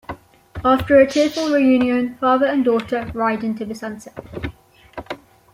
After a tearful reunion, father and daughter ride into the sunset.